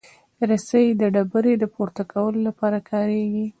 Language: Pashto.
رسۍ د ډبرې د پورته کولو لپاره کارېږي.